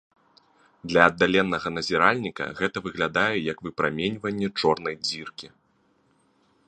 Для аддаленага назіральніка гэта выглядае як выпраменьванне чорнай дзіркі.